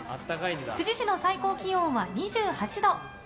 久慈市の最高気温は２８度。